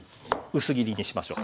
薄切りにしましょ。